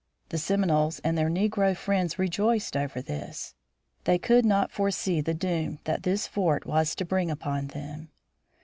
The Seminoles and their negro friends rejoiced over this. They could not foresee the doom that this fort was to bring upon them.